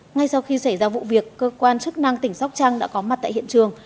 ngay sau khi xảy ra vụ việc cơ quan chức năng tỉnh sóc trăng đã có mặt tại hiện trường